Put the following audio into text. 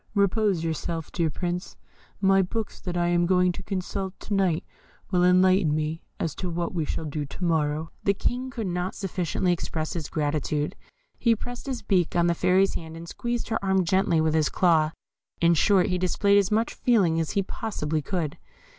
Repose yourself, dear Prince; my books that I am going to consult to night will enlighten me as to what we shall do to morrow." The King could not sufficiently express his gratitude he pressed his beak on the Fairy's hand, and squeezed her arm gently with his claw in short, he displayed as much feeling as he possibly could.